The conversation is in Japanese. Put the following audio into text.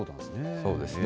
そうですね。